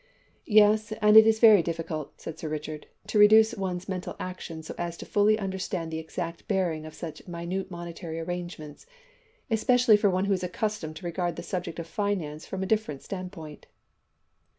"Yes, and it is very difficult," said Sir Richard, "to reduce one's mental action so as to fully understand the exact bearing of such minute monetary arrangements, especially for one who is accustomed to regard the subject of finance from a different standpoint."